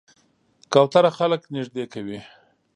کوتره خلک نږدې کوي.